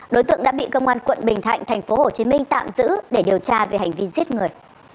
đối tượng đã bị công an quận bình thạnh tp hcm tạm giữ để điều tra về hành vi giết người